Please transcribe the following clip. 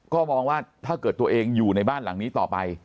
ก็มองว่าถ้าเกิดตัวเองอยู่ในบ้านหลังนี้ต่อไป